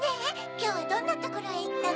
きょうはどんなところへいったの？